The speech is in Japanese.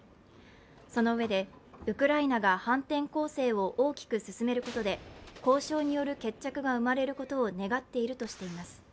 そのうえで、ウクライナが反転攻勢を大きく進めることで交渉による決着が生まれることを願っているとしています。